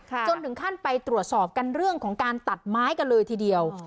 จนถึงขั้นไปตรวจสอบกันเรื่องของการตัดไม้กันเลยทีเดียว